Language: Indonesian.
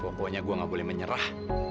pokoknya gue gak boleh menyerah